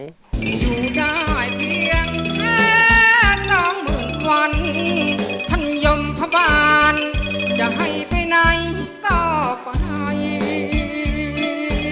อยู่ได้เพียงแค่สองหมื่นวันท่านยมทบาลจะให้ไปไหนก็ไป